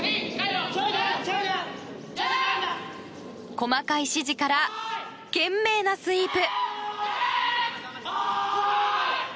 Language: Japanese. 細かい指示から懸命なスイープ。